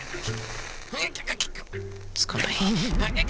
つかない。